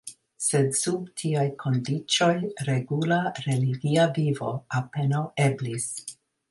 Sed sub tiaj kondiĉoj regula religia vivo apenaŭ eblis.